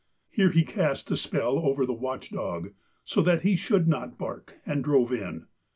Here he cast a spell over the watch dog, so that he should not bark, and drove in.